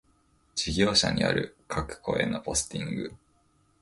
事業者による各戸へのポスティング